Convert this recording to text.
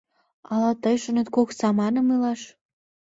«Ала тый шонет кок саманым илаш...»